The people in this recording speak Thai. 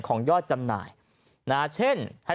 ก็ถือว่าถูกเหมือนกัน